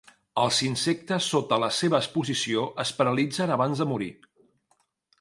Els insectes sota la seva exposició es paralitzen abans de morir.